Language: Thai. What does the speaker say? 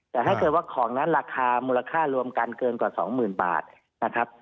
แต่ถ้าเกิดว่าของนั้นราคามูลค่ารวมกันเกินกว่า๒๐๐๐บาทนะครับ